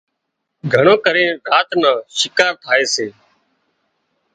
گھڻو ڪرينَ راچ نان شڪار ٿائي سي